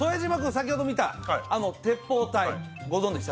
先ほど見たあの鉄砲隊ご存じでした？